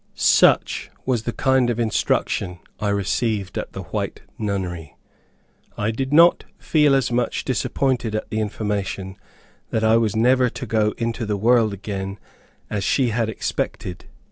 Such was the kind of instruction I received at the White Nunnery. I did not feel as much disappointed at the information that I was never to go into the world again as she had expected.